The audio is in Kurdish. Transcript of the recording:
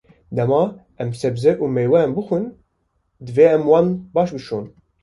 Dema em sebze û mêweyan bixwin, divê em wan baş bişon.